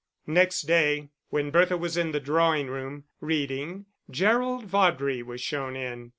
Next day, when Bertha was in the drawing room, reading, Gerald Vaudrey was shown in.